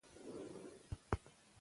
ځان دوزخ او برزخ ته مه ورکوئ.